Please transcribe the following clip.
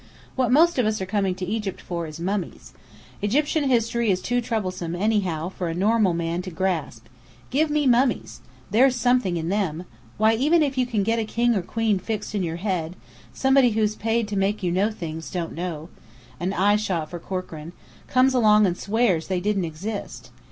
"What most of us are coming to Egypt for is mummies. Egyptian history is too troublesome, anyhow, for a normal man to grasp. Give me mummies! There's something in them. Why, even if you get a king or queen fixed in your head, somebody who's paid to make you know things you don't know" (an eye shot for Corkran) "comes along and swears they didn't exist.